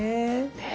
ねえ。